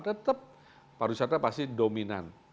tetap pariwisata pasti dominan